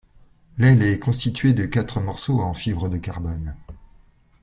L'aile est constituée de quatre morceaux en fibre de carbone.